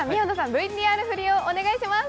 ＶＴＲフリをお願いします